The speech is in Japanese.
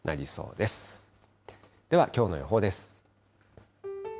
ではきょうの予報です。